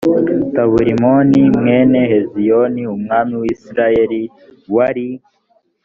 taburimoni mwene heziyoni umwami w i siriya wari